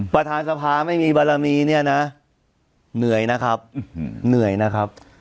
ประธานสภาไม่มีบรมีเนื่อยนะครับ